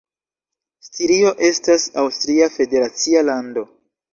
Stirio estas aŭstria federacia lando.